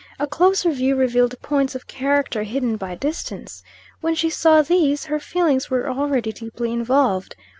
A closer view revealed points of character hidden by distance. When she saw these, her feelings were already deeply involved.